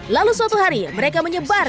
lalu suatu hari mereka menyebar